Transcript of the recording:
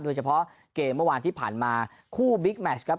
โดยเฉพาะเกมเมื่อวานที่ผ่านมาคู่บิ๊กแมชครับ